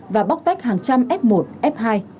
và bóc tách hàng trăm f một f hai